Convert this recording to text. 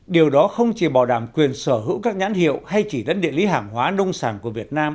điều đó không chỉ bảo đảm quyền sở hữu các nhãn hiệu hay chỉ dẫn địa lý hàng hóa nông sản của việt nam